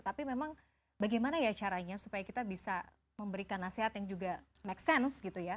tapi memang bagaimana ya caranya supaya kita bisa memberikan nasihat yang juga make sense gitu ya